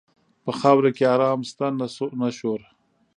په خاوره کې آرام شته، نه شور.